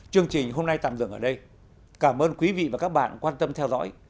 chương trình hôm nay tạm dừng ở đây cảm ơn quý vị và các bạn quan tâm theo dõi